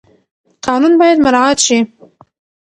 قانون باید مراعات شي.